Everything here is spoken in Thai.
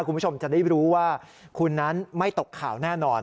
คุณผู้ชมจะได้รู้ว่าคุณนั้นไม่ตกข่าวแน่นอน